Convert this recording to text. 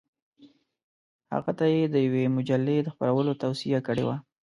هغه ته یې د یوې مجلې د خپرولو توصیه کړې وه.